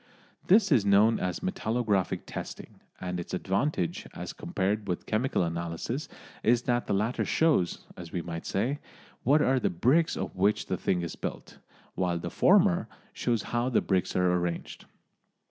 This is known as metallographic testing, and its advantage as compared with chemical analysis is that the latter shows, as we might say, what are the bricks of which the thing is built, while the former shows how the bricks are arranged.